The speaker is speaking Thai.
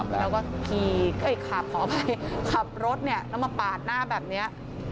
แล้วก็ขับรถเนี่ยแล้วมาปาดหน้าแบบนี้